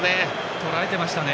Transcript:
とらえていましたね。